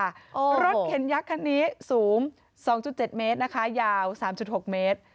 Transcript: รถเข็นยักษ์คันนี้สูง๒๗เมตรนะคะยาว๓๖เมตร